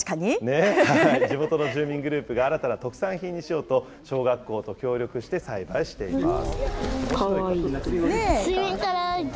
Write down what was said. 地元の住民グループが新たな特産品にしようと、小学校と協力して栽培しています。